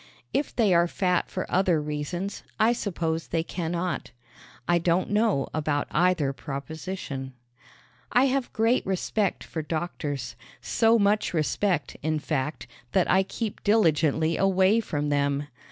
If they are fat for other reasons I suppose they cannot. I don't know about either proposition. I have great respect for doctors so much respect, in fact, that I keep diligently away from them.